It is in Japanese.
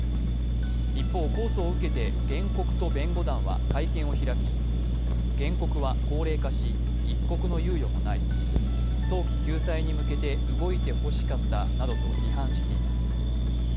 一方、控訴を受けて原告と弁護団は会見を開き原告は高齢化し一刻の猶予もない、早期救済に向けて動いてほしかったなどと批判しています。